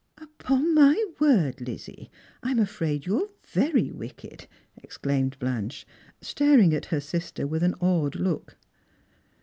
" Upon my word, Lizzie, I'm afraid you're very wicked," exclaimed Blanche, staring at her sister with an awed look.